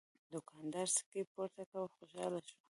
دوکاندار سکې پورته کړې او خوشحاله شو.